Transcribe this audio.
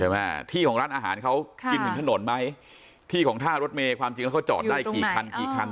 ใช่ไหมที่ของร้านอาหารเขากินถึงถนนไหมค่ะที่ของท่ารถเมฆความจริงแล้วเขาจอดได้กี่คัน